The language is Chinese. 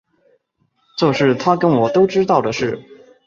这是他跟我都知道的事